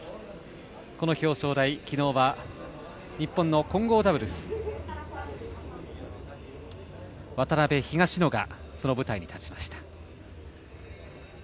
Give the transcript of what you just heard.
この表彰台、昨日は日本の混合ダブルス渡辺・東野がその舞台に立ちました。